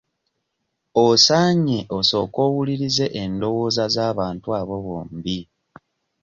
Osaanye osooke owulirize endowooza z'abantu abo bombi.